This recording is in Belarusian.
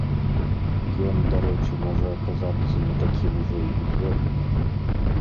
Ён, дарэчы, можа, аказацца не такім ужо і мізэрным.